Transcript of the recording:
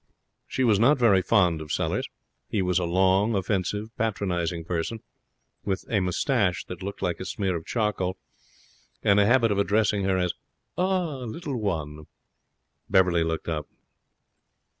She was not very fond of him. He was a long, offensive, patronizing person, with a moustache that looked like a smear of charcoal, and a habit of addressing her as 'Ah, little one!' Beverley looked up.